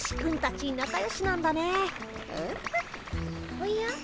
おや？